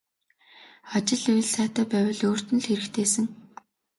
Ажил үйл сайтай байвал өөрт нь л хэрэгтэйсэн.